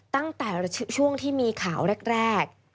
ตั้งแต่ช่วงที่มีข่าวแรก